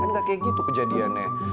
kan nggak kayak gitu kejadiannya